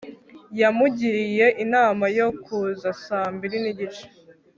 yamugiriye inama yo kuza saa mbiri n'igice